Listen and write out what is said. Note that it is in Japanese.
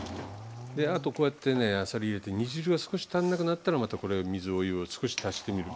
であとこうやってねあさり入れて煮汁が少し足んなくなったらまたこれ水お湯を少し足してみる。